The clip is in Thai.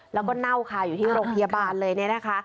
แล้วก็เน่าค่ะอยู่ที่โรงพยาบาลเลยเนี่ยนะคะ